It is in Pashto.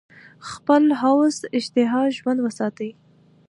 خپل هوس اشتها ژوندۍ وساتي.